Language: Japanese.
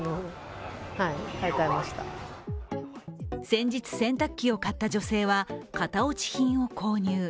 先日、洗濯機を買った女性は、型落ち品を購入。